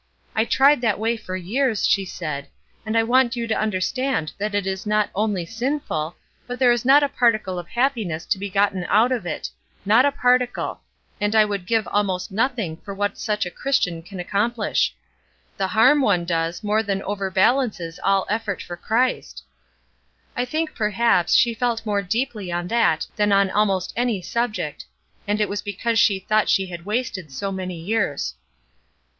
'I tried that way for years,' she said, 'and I want you to understand that it is not only sinful, but there is not a particle of happiness to be gotten out of it not a particle; and I would give almost nothing for what such a Christian can accomplish. The harm one does, more than overbalances all effort for Christ.' I think, perhaps, she felt more deeply on that than on almost any subject; and it was because she thought she had wasted so many years."